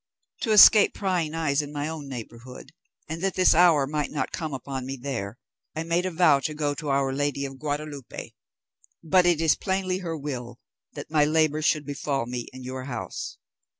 To escape prying eyes in my own neighbourhood, and that this hour might not come upon me there, I made a vow to go to our Lady of Guadalupe; but it is plainly her will that my labour should befal me in your house.